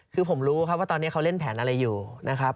คือผมรู้ครับว่าตอนนี้เขาเล่นแผนอะไรอยู่นะครับ